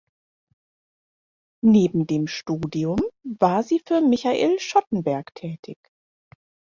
Neben dem Studium war sie für Michael Schottenberg tätig.